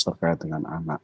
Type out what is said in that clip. terkait dengan anak